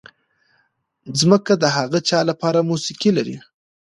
ځمکه د هغه چا لپاره موسیقي لري.